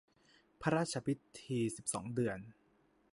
พระราชพิธีสิบสองเดือน